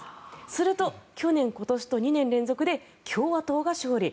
すると去年、今年と２年連続で共和党が勝利。